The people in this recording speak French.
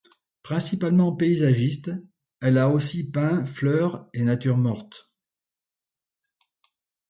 Principalement paysagiste, elle a aussi peint fleurs et natures mortes.